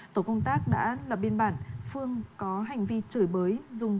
tổ công tác đã lập biên bản phương có hành vi chửi bới